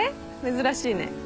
珍しいね。